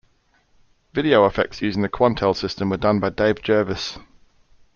Video effects using the Quantel system were done by Dave Jervis.